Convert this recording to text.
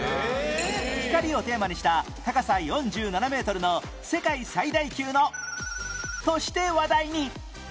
光をテーマにした高さ４７メートルの世界最大級のとして話題に